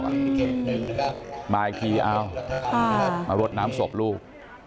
มาอีกทีเอามารดน้ำศพลูก